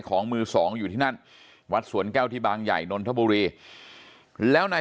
ของมือสองอยู่ที่นั่นวัดสวนแก้วที่บางใหญ่นนทบุรีแล้วนาย